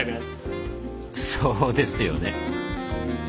そうですよね。